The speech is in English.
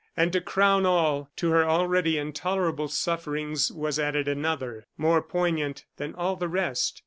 And to crown all, to her already intolerable sufferings was added another, more poignant than all the rest.